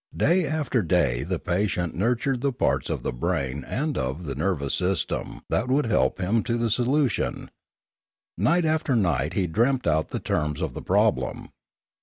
Day after day the patient nurtured the parts of the brain and of the nervous sys tem that would help him to the solution; night after night he dreamt out the terms of the problem.